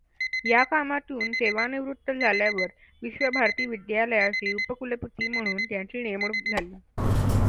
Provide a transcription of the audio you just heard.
या कामातून सेवानिवृत्त झाल्यावर विश्व भारती विद्याल्याचे उपकुलपति म्हणून त्यांची नेमणूक झाली.